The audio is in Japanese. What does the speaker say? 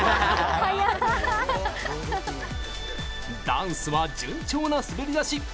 ダンスは順調な滑り出し！